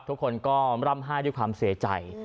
ทุกคนก็ร่ำไห้ด้วยความเสียใจ